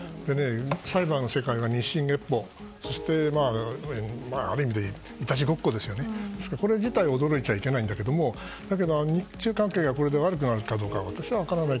サイバーの世界は日進月歩である意味でいたちごっこですのでこれ自体驚いちゃいけないんだけれどもだけど、日中関係がこれで悪くなるかどうか私は分からない。